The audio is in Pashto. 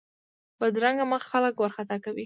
بدرنګه مخ خلک وارخطا کوي